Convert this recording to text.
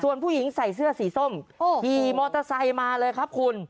ส่วนผู้หญิงใส่เสื้อสีส้มขี่มอเตอร์ไซค์มาเลยครับคุณ